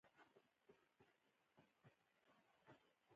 هګۍ خام خوړل سپارښتنه نه کېږي.